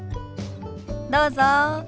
どうぞ。